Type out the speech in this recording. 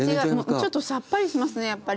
ちょっとさっぱりしますねやっぱり。